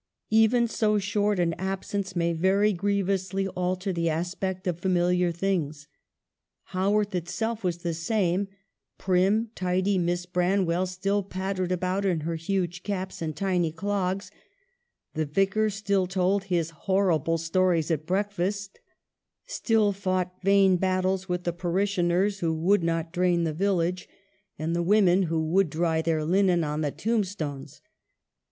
Even so short an absence may very grievously alter the aspect of familiar things. Haworth itself was the same ; prim, tidy Miss Branwell still pattered about in her huge caps and tiny clogs; the Vicar still told his horrible stories at breakfast, still fought vain battles with the parishioners who would not drain the village, GOING TO SCHOOL. yy and the women who would dry their linen on the tombstones.